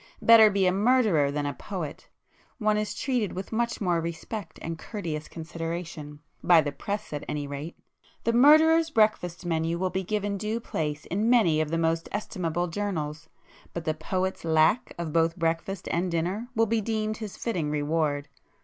Better be a murderer than a poet,—one is treated with much more respect and courteous consideration,—by the press at anyrate. The murderer's breakfast menu will be given due place in many of the most estimable journals,—but the poet's lack of both breakfast and dinner will be deemed his fitting reward.